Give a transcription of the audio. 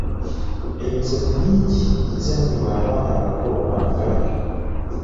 Emizannyo mingi egizannyibwa abaana abato Abaganda